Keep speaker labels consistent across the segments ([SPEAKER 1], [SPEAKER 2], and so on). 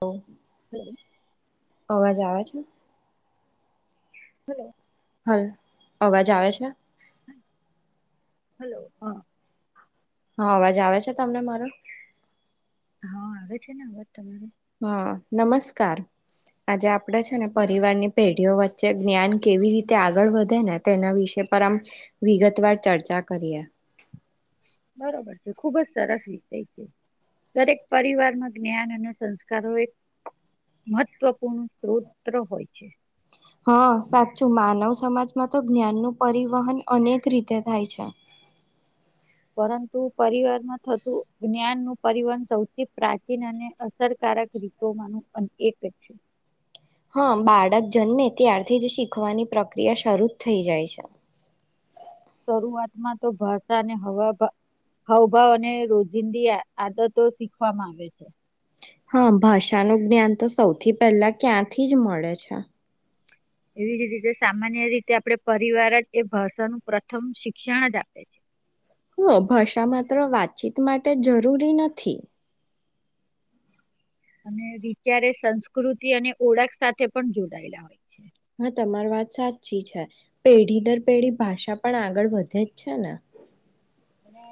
[SPEAKER 1] તો
[SPEAKER 2] [inaudible]
[SPEAKER 1] અવાજ આવે છે.
[SPEAKER 2] હલો
[SPEAKER 1] હલો અવાજ આવે છે
[SPEAKER 2] હલો, હા.
[SPEAKER 1] હા, અવાજ આવે છે તમને મારો.
[SPEAKER 2] હા, આવે છે ને અવાજ તમારો.
[SPEAKER 1] હા, નમસ્કાર આજે આપડે છે ને પરિવારની પેઢીઓ વચ્ચે જ્ઞાન કેવી રીતે આગળ વધે ને તેના વિષ પર આમ વિગતવાર ચર્ચા કરીએ.
[SPEAKER 2] બરોબર છે ખુબ જ સરસ વિષય છે દરેક પરિવારમાં જ્ઞાન અને સંસ્કારો એક મહત્વપૂર્ણ સ્ત્રોત્ર હોય છે.
[SPEAKER 1] હા, સાચું માનવ સમાજમાં તો જ્ઞાનનું પરિવહન અનેક રીતે થાય છે.
[SPEAKER 2] પરંતુ પરિવારમાં થતું જ્ઞાનનું પરિવહન સૌથી પ્રાચીન અને અસરકારક રીતોમાંનું એક છે
[SPEAKER 1] હા, બાળક જન્મે ત્યારથી જ શીખવાની પ્રક્રિયા શરૂ જ થઈ જાય છે.
[SPEAKER 2] શરૂઆતમાં તો ભાષાને હવા હાવભાવ અને રોજિંદી આદતો શીખવા માઞે છે.
[SPEAKER 1] હા, ભાષાનું જ્ઞાન તો સૌથી પહેલા ક્યાંથી જ મળે છે.
[SPEAKER 2] એવી જ રીતે સામાન્ય રીતે આપણે પરિવાર જ એ ભાષાનું પ્રથમ શિક્ષણ જ આપે છે.
[SPEAKER 1] હો, ભાષા માત્ર વાતચીત માટે જરૂરી નથી.
[SPEAKER 2] અને વિચારે સંસ્કૃતિ અને ઓળખ સાથે પણ જોડાયેલા હોય છે.
[SPEAKER 1] હા, તમારી વાત સાચી છે પેઢી દર પેઢી ભાષા પણ આગળ વધે જ છે ને.
[SPEAKER 2] છે. અને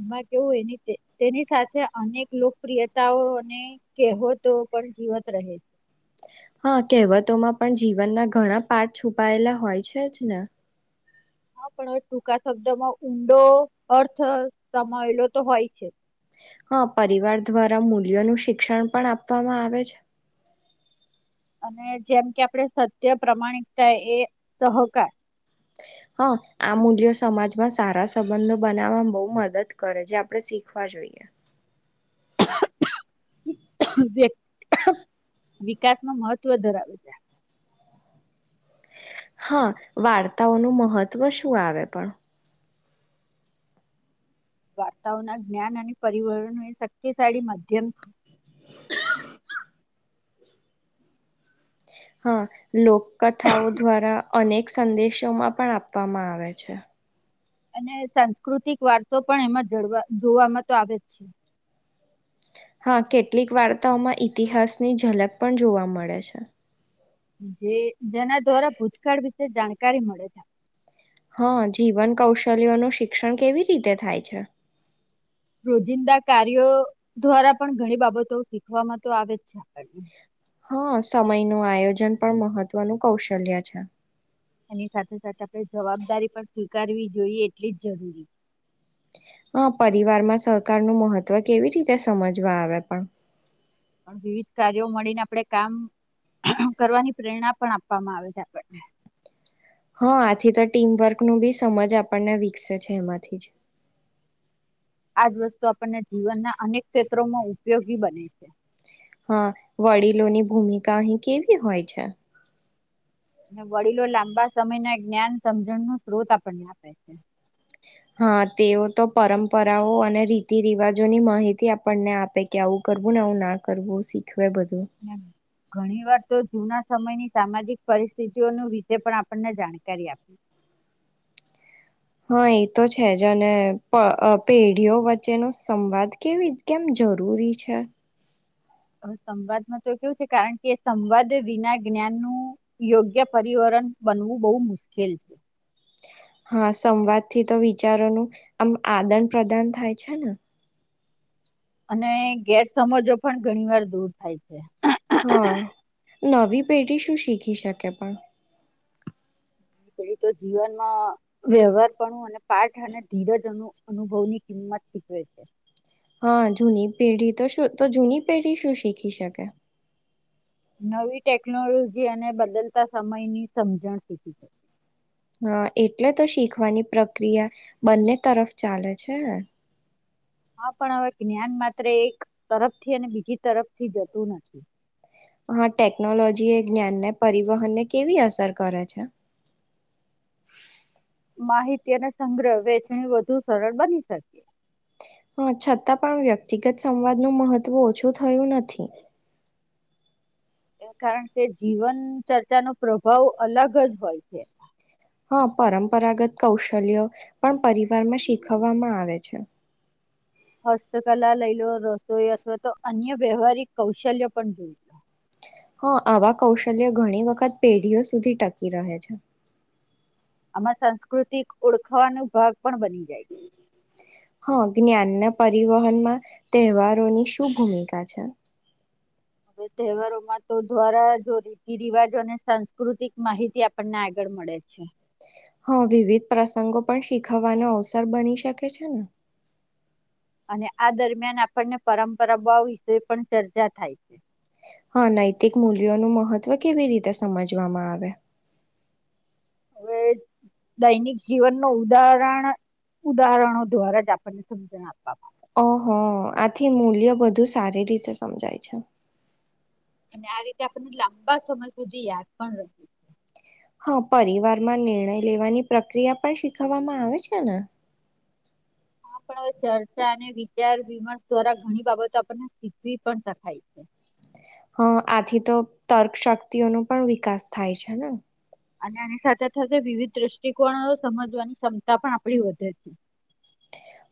[SPEAKER 2] એમાં કેવું હોય એની તેની સાથે અનેક લોકપ્રિયતાઓ અને કહેવતો પણ જીવત રહે છે.
[SPEAKER 1] હા, કહેવતોમાં પણ જીવનના ઘણા પાર્ટ છુપાયેલા હોય છે જ ને.
[SPEAKER 2] હા, પણ હવે ટૂંકા શબ્દમાં ઊંડો અર્થ સમાયલો તો હોય છે.
[SPEAKER 1] હા, પરિવાર દ્વારા મૂલ્યોનું શિક્ષણ પણ આપવામાં આવે છે.
[SPEAKER 2] અને જેમ કે આપણે સત્ય પ્રમાણિકતા એ સહકાર.
[SPEAKER 1] હા, આ મૂલ્યો સમાજમાં સારા સંબંધો બનાવવાવામાં બહુ મદદ કરે જે આપણે શીખવા જોઈએ.
[SPEAKER 2] [inaudible] [inaudible] વિકાસનો મહત્વ ધરાવે છે.
[SPEAKER 1] હા, વાર્તાઓનું મહત્ત્વ શું આવે પણ
[SPEAKER 2] વાર્તાઓના જ્ઞાન અને પરિવહન એ શક્તિશાળી માધ્યમ
[SPEAKER 1] હા લોક કથાઓ દ્વારા અનેક સંદેશોમાં પણ આપવામાં આવે છે
[SPEAKER 2] અને સાંસ્કૃતિક વારસો પણ એમાં જડવા જોવામાં તો આવે જ છે
[SPEAKER 1] હા કેટલીક વાર્તાઓમાં ઈતિહાસની ઝલક પણ જોવા મળે છે
[SPEAKER 2] જે જેના દ્વારા ભૂતકાળ વિશે જાણકારી મળે છે
[SPEAKER 1] હા જીવન કૌશલ્યો ન શિક્ષણ કેવી રીતે થાય છે
[SPEAKER 2] રોજિંદા કાર્યો દ્વારા પણ ઘણી બાબતો શીખવામાં તો આવે છે [inaudible] [inaudible]
[SPEAKER 1] હા સમય નું આયોજન પણ મહત્વનું કૌશલ્ય છે
[SPEAKER 2] એની સાથે સાથે આપણે જવાબદારી પણ સ્વીકારવી જોઈએ એટલી જ જરૂરી
[SPEAKER 1] હા પરિવારમાં સહકારનું મહત્વ કેવી રીતે સમજવા આવે પણ
[SPEAKER 2] વિવિધ કાર્યો મળીને આપણે કામ કરવાની પ્રેરણા પણ આપવામાં આવે છે આપણને
[SPEAKER 1] હા આથી તો ટીમવર્ક ન બી સમજ આપણને વિકસે છે એમાંથી જ
[SPEAKER 2] આજ વસ્તુ આપણને જીવનના અનેક ક્ષેત્રોમાં ઉપયોગી બને છે
[SPEAKER 1] હા વડીલોની ભૂમિકા અહી કેવી હોય છે
[SPEAKER 2] અને વડીલો લાંબા સમય ના જ્ઞાન સમજણ નું સ્ત્રોત આપણને આપે છે
[SPEAKER 1] હા તેઓ તો પરમ્પરાઓ અને રીતિ રિવાજોની માહિતી આપણને આપે કે આવું કરવું ને આવું ના કરવું શીખ
[SPEAKER 2] ઘણી વાર તો જુના સમયની સામાજિક પરિસ્થિતિઓ વિશે પણ આપણને જાણકારી આપી
[SPEAKER 1] હા એ તો છે જ અને અ પે પેઢીઓ વચ્ચેનો સંવાદ કેવી કેમ જરૂરી છે
[SPEAKER 2] હ સંવાદમાં તો કેવું છે કારણ કે સંવાદ વિના જ્ઞાન નુ યોગ્ય પરિવરન બનવું બહુ મુશ્કેલ છે
[SPEAKER 1] હા સંવાદથી તો વિચારોનું આમ આદાન પ્રદાન થાય છે ને
[SPEAKER 2] અને ગેરસમજો પણ ઘણીવાર દૂર થાય છે
[SPEAKER 1] હા. નવી પેઢી શું શીખી શકે પણ
[SPEAKER 2] પેલી તો જીવનમાં વ્યવહારપણું અને પાઠ અને ધીરજ અનુ અનુભવની કિંમત શીખવે છે
[SPEAKER 1] હા જૂની પેઢી તો શું તો જૂની પેઢી શું શીખી શકે
[SPEAKER 2] નવી ટેકનોલોજી અને બદલતા સમયની સમજણ શીખી છે
[SPEAKER 1] હા એટલે તો શીખવાની પ્રક્રિયા બંને તરફ ચાલે છે.
[SPEAKER 2] હા પણ હવે જ્ઞાન માત્ર એક તરફથી અને બીજી તરફથી જતું નથી
[SPEAKER 1] હા ટેકનોલોજી એ જ્ઞાનને પરિવહનને કેવી અસર કરે છે.
[SPEAKER 2] માહિતી અને સંગ્રહ વેચણી વધુ સરળ બની શકે
[SPEAKER 1] હા છતાં પણ વ્યક્તિગત સંવાદનું મહત્વ ઓછું થયું નથી.
[SPEAKER 2] એ કારણ કે જીવન ચર્ચાનો પ્રભાવ અલગ જ હોય છે.
[SPEAKER 1] હા પરંપરાગત કૌશલ્યો પણ પરિવારમાં શીખવવામાં આવે છે.
[SPEAKER 2] હસ્તકલા લઈ લો રસોઈ અથવા તો અન્ય વ્યવહારિક કૌશલ્ય પણ જોઈ લો.
[SPEAKER 1] હા આવા કૌશલ્ય ઘણી વખત પેઢીઓ સુધી ટકી રહે છે.
[SPEAKER 2] આમાં સાંસ્કૃતિક ઓળખાવાનો ભાગ પણ બની જાય છે.
[SPEAKER 1] હા જ્ઞાનના પરિવહનમાં તહેવારોની શું ભૂમિકા છે?
[SPEAKER 2] હવે તહેવારોમાં તો દ્વારા જો રીતિ રિવાજો અને સાંસ્કૃતિક માહિતી આપણને આગળ મળે છે.
[SPEAKER 1] હા વિવિધ પ્રસંગો પણ શીખવાનો અવસર બની શકે છે ને.
[SPEAKER 2] અને આ દરમિયાન આપણને પરંપરાઓ વિશે પણ ચર્ચા થાય છે.
[SPEAKER 1] હા નૈતિક મૂલ્યોનું મહત્વ કેવી રીતે સમજવામાં આવે?
[SPEAKER 2] હવે દૈનિક જીવનનું ઉદાહરણ ઉદાહરણો દ્વારા જ આપણને સમજણ આપવામાં
[SPEAKER 1] ઓહો આથી મૂલ્ય વધુ સારી રીતે સમજાય છે.
[SPEAKER 2] આવે. અને આ રીતે આપણને લાંબા સમય સુધી યાદ પણ રહે.
[SPEAKER 1] હા પરિવારમાં નિર્ણય લેવાની પ્રક્રિયા પણ શીખવવામાં આવે છે ને.
[SPEAKER 2] પણ હવે ચર્ચા અને વિચાર વિમર્શ દ્વારા ઘણી બાબતો આપણને શીખવી પણ શકાય છે
[SPEAKER 1] અ આથી તો તર્ક શક્તિઓનો પણ વિકાસ થાય છે ને
[SPEAKER 2] અને આની સાથે સાથે વિવિધ દ્રષ્ટિકોણો સમજવાની ક્ષમતા પણ આપણી વધે છે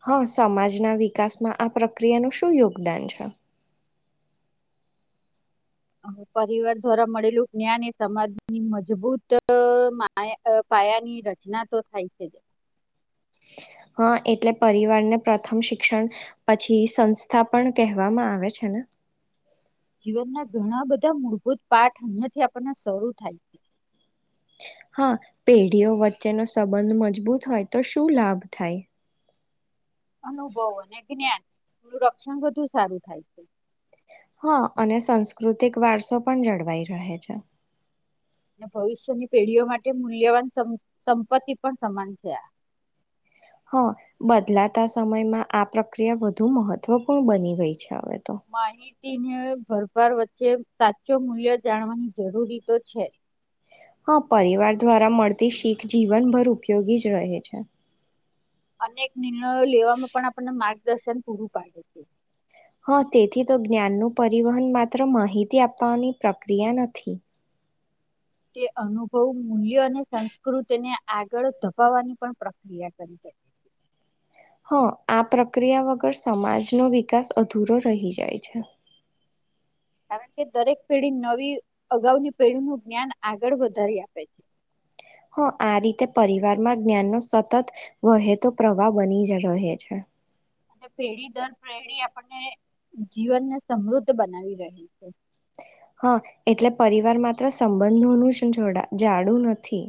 [SPEAKER 1] હા સમાજના વિકાસમાં આ પ્રક્રિયાનું શું યોગદાન છે
[SPEAKER 2] અ, પરિવાર દ્વારા મળેલું જ્ઞાન એ સમાજની મજબૂત માયા પાયાની રચના તો થાય છે જ
[SPEAKER 1] હા એટલે પરિવારને પ્રથમ શિક્ષણ પછી સંસ્થા પણ કહેવામાં આવે છે ને
[SPEAKER 2] જીવનના ઘણા બધા મૂળભૂત પાઠ અહીંયાથી આપણને શરૂ થાય છે
[SPEAKER 1] હા પેઢીઓ વચ્ચેનો સંબંધ મજબૂત હોય તો શું લાભ થાય
[SPEAKER 2] અનુભવ અને જ્ઞાન નું રક્ષણ વધુ સારું થાય છે
[SPEAKER 1] હા અને સાંસ્કૃતિક વારસો પણ જળવાઈ રહે છે
[SPEAKER 2] અને ભવિષ્યની પેઢીઓ માટે મૂલ્યવાન સમ- સંપત્તિ પણ સમાન છે
[SPEAKER 1] હા બદલાતા સમયમાં આ પ્રક્રિયા વધુ મહત્વપૂર્ણ બની ગઈ છે હવે તો
[SPEAKER 2] માહિતીને ભરપાર વચ્ચે સાચો મૂલ્ય જાણવાની જરૂરી તો છે
[SPEAKER 1] હા પરિવાર દ્વારા મળતી શીખ જીવનભર ઉપયોગી જ રહે છે
[SPEAKER 2] અનેક નિર્ણયો લેવામાં પણ આપણને માર્ગદર્શન પૂરું પાડે છે
[SPEAKER 1] હા તેથી તો જ્ઞાનનું પરિવહન માત્ર માહિતી આપવાની પ્રક્રિયા નથી.
[SPEAKER 2] તે અનુભવ મૂલ્ય અને સંસ્કૃતિને આગળ ધપાવવાની પણ પ્રક્રિયા કરી શકે છે.
[SPEAKER 1] હા આ પ્રક્રિયા વગર સમાજનો વિકાસ અધૂરો રહી જાય છે.
[SPEAKER 2] કારણ કે દરેક પેઢી નવી અગાઉની પેઢીનું જ્ઞાન આગળ વધારી આપે છે
[SPEAKER 1] હા આ રીતે પરિવારમાં જ્ઞાનનો સતત વહેતો પ્રવાહ બની જ રહે છે.
[SPEAKER 2] અને પેઢી દર પેઢી આપણને જીવનને સમૃદ્ધ બનાવી રહી છે
[SPEAKER 1] હા એટલે પરિવાર માત્ર સંબંધોનું જ જોડા જાડું નથી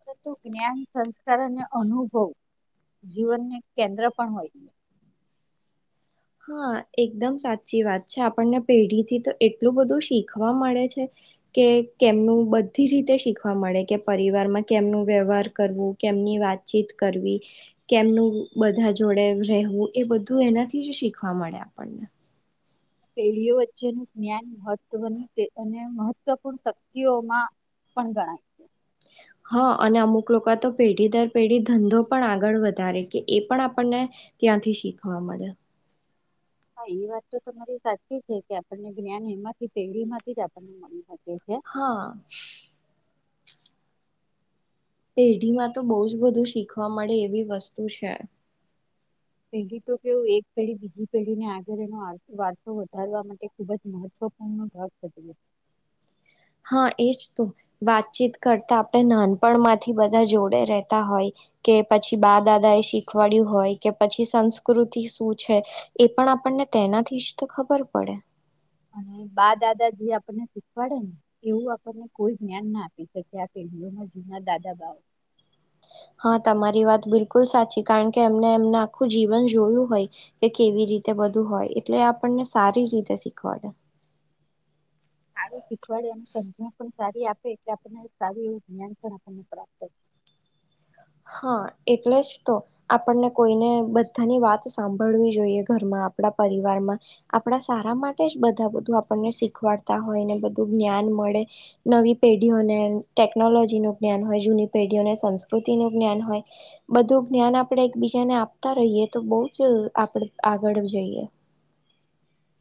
[SPEAKER 2] પરંતુ જ્ઞાન સંસ્કાર અને અનુભવ જીવનને કેન્દ્ર પણ હોય છે.
[SPEAKER 1] હા એકદમ સાચી વાત છે આપણને પેઢીથી તો એટલું બધું શીખવા મળે છે કે કેમનું બધી રીતે શીખવા મળે કે પરિવારમાં કેમનું વ્યવહાર કરવું કેમની વાતચીત કરવી કેમનું બધા જોડે રહેવું એ બધું એનાથી જ શીખ શીખવા મળે આપણને
[SPEAKER 2] પેઢીઓ વચ્ચેનું જ્ઞાન મહત્વની તે અને મહત્વપૂર્ણ શક્તિઓમાં પણ ગણાય
[SPEAKER 1] હા અને અમુક લોકો તો પેઢી દર પેઢી ધંધો પણ આગળ વધારે કે એ પણ આપણને ત્યાંથી શીખવા મળે
[SPEAKER 2] હા એ વાત તો તમારી સાચી છે કે આપણને જ્ઞાન એમાંથી પેઢી માંથી જ આપણને મળી શકે છે
[SPEAKER 1] હા પેઢીમાં તો બહુ જ બધું શીખવા મળે એવી વસ્તુ છે
[SPEAKER 2] પેઢી તો કેવું એક પેઢી બીજી પેઢીને આગળ એનો આર- વારસો વધારવા માટે ખુબ જ મહત્વપૂર્ણ ભાગ ભજવે છે.
[SPEAKER 1] હા એજ તો વાતચીત કરતા આપણે નાનપણમાંથી બધા જોડે રહેતા હોય કે પછી બા દાદા એ શીખવાડ્યું હોય કે પછી સંસ્કૃતિ શું છે એ પણ આપણને તેનાથી જ તો ખબર પડે
[SPEAKER 2] અને બા દાદા જે આપણને શીખવાડે ને એવું આપણને કોઈ જ્ઞાન ના આપી શકે આ પેઢીઓમાં જૂના દાદા બાઓ
[SPEAKER 1] હા તમારી વાત બિલકુલ સાચી કારણ કે એમને એમના આખું જીવન જોયું હોય કે કેવી રીતે બધું હોય એટલે આપણને સારી રીતે શીખવાડે
[SPEAKER 2] સારું શીખવાડે અને સમજણ પણ સારી આપે એટલે આપણને સારું એવું જ્ઞાન પણ આપણને પ્રાપ્ત
[SPEAKER 1] હા એટલે જ તો આપણને કોઈને બધાની વાત સાંભળવી જોઈએ ઘરમાં આપણા પરિવારમાં આપણા સારા માટે જ બધા બધું આપણને શીખવાડતા હોય ને બધું જ્ઞાન મળે નવી પેઢીઓને ટેકનોલોજીનું જ્ઞાન હોય જૂની પેઢીઓને સંસ્કૃતિનું જ્ઞાન હોય બધું જ્ઞાન આપણે એકબીજાને આપતા રહીએ તો બહુ જ આપણે આગળ જઈએ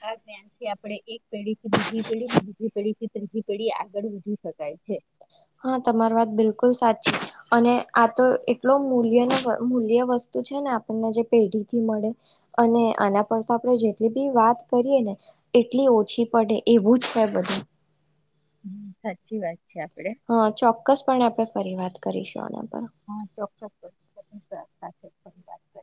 [SPEAKER 2] આ જ્ઞાનથી આપણે એક પેઢી થી બીજી પેઢી ને બીજી પેઢી થી ત્રીજી પેઢી આગળ વધી શકાય છે.
[SPEAKER 1] હા તમારી વાત બિલકુલ સાચી. અને આ તો એટલો મૂલ્યનો મૂલ્ય વસ્તુ છે ને આપણને જે પેઢીથી મળે. અને આના પર તો આપણે જેટલી બી વાત કરીએ ને એટલી ઓછી પડે એવું જ છે બધું.
[SPEAKER 2] હમ સાચી વાત છે આપડે.
[SPEAKER 1] હા ચોક્કસપણે આપણે ફરી વાત કરીશું આના પર.
[SPEAKER 2] હા ચોક્કસ સાથે પણ વાત કર